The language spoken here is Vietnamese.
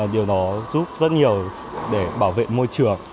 điều đó giúp rất nhiều để bảo vệ môi trường